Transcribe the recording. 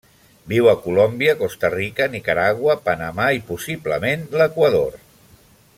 Viu a Colòmbia, Costa Rica, Nicaragua, Panamà i, possiblement, l'Equador.